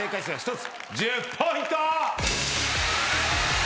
１０ポイント！